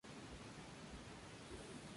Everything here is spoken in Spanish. Se le apoda "El conejo, la bala galesa".